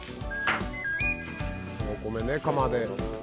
お米ね釜で。